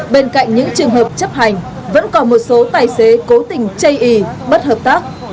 bên cạnh những trường hợp chấp hành vẫn còn một số tài xế cố tình chây ý bất hợp tác